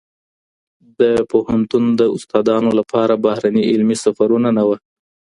د پوهنتون د استادانو لپاره بهرني علمي سفرونه نه وو.